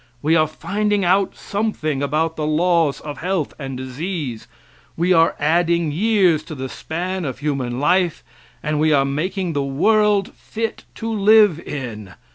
We are finding out something about the laws of health and disease. We are adding years to the span of human life and we are making the world fit to live in.